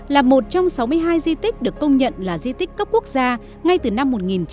là một trong sáu mươi hai di tích được công nhận là di tích cấp quốc gia ngay từ năm một nghìn chín trăm chín mươi